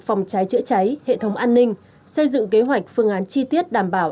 phòng cháy chữa cháy hệ thống an ninh xây dựng kế hoạch phương án chi tiết đảm bảo